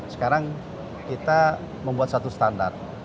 sekarang kita membuat satu standar